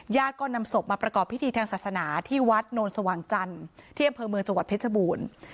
ก็นำศพมาประกอบพิธีทางศาสนาที่วัดโนนสว่างจันทร์ที่อำเภอเมืองจังหวัดเพชรบูรณ์